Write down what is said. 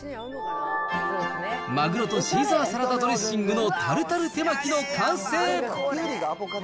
マグロとシーザーサラダドレッシングのタルタル手巻きの完成。